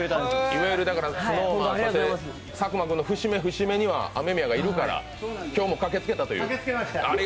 いわゆる佐久間君の節目節目にはＡＭＥＭＩＹＡがいるから今日も駆けつけたという。